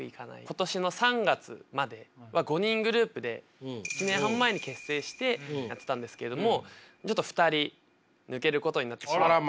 今年の３月までは５人グループで１年半前に結成してやってたんですけどもちょっと２人抜けることになってしまって。